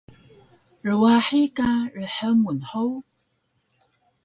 Rwahi ka rhngun hug?